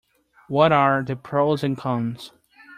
What are the pros and cons?